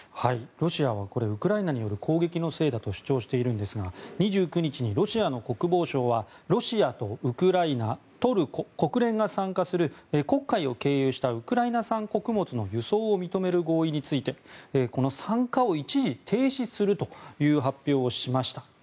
ロシアはウクライナによる攻撃のせいだと主張しているんですが２９日、ロシアの国防省はロシアとウクライナトルコ、国連が参加する黒海を経由したウクライナ産穀物の輸送を認める合意についてこの参加を一時停止するという発表をしました。